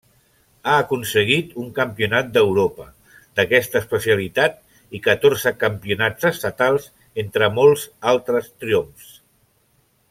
Ha aconseguit un Campionat d'Europa d'aquesta especialitat i catorze campionats estatals entre molts altres triomfs.